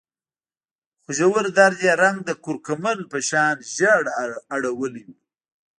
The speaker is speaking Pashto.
خو ژور درد يې رنګ د کورکمند په شان ژېړ اړولی و.